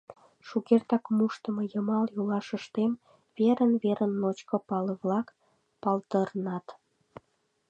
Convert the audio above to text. Шукертак мушдымо йымал йолашыштем верын-верын ночко пале-влак палдырнат.